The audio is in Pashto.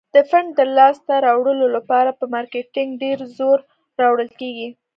د فنډ د لاس ته راوړلو لپاره په مارکیټینګ ډیر زور راوړل کیږي.